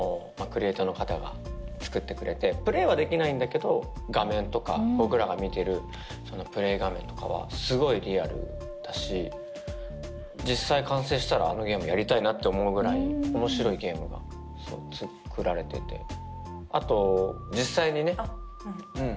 クリエイターの方が作ってくれてプレイはできないんだけど画面とか僕らが見てるそのプレイ画面とかはすごいリアルだし実際完成したらあのゲームやりたいなって思うぐらい面白いゲームがそう作られててあと実際にねあっうん